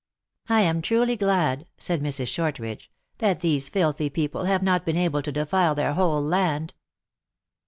" I am truly glad," said Mrs. Shortridge, " that these filthy people have not been able to defile their whole land."